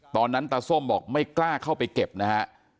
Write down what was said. ตอนนั้นตาส้มบอกไม่กล้าเข้าไปเก็บนะฮะ